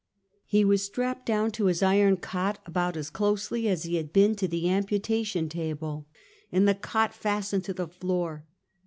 He was strapped down to his iron cot, about as close ly as he had been to the amputation table, and the cot fastened to the floor.